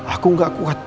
aku gak kuat